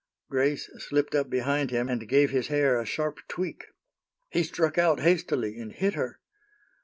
Grace slipped up behind him, and gave his hair a sharp tweak. He struck out, hastily, and hit her.